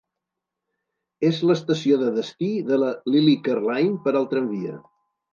És l'estació de destí de la Lilleaker Line per al tramvia.